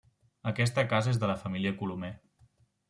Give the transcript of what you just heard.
Aquesta casa és de la família Colomer.